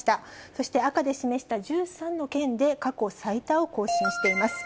そして赤で示した１３の県で過去最多を更新しています。